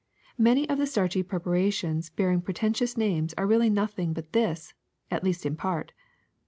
Many of the starchy prep arations bearing pretentious names are really noth ing but this, at least in part.